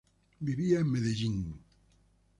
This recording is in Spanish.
Vivía en Medellín.